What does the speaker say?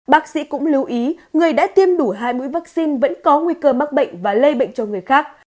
bác sĩ cũng lưu ý người đã tiêm đủ hai mũi vaccine vẫn có nguy cơ mắc bệnh và lây bệnh cho người khác